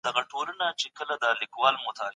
او څنګه مسلکي ټریډران پرې پیسې جوړوي..